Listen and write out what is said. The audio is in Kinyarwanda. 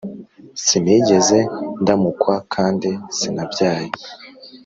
“Sinigeze ndamukwa kandi sinabyaye,